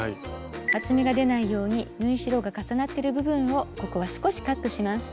厚みが出ないように縫い代が重なってる部分をここは少しカットします。